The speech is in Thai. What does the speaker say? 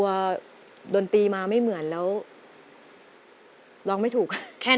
แผนที่๓ที่คุณนุ้ยเลือกออกมานะครับ